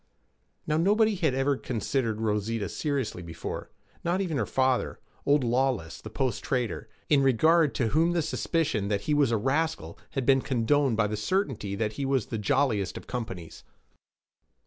Now, nobody had ever considered Rosita seriously before; not even her father, old Lawless the post trader, in regard to whom the suspicion that he was a rascal had been condoned by the certainty that he was the jolliest of companions.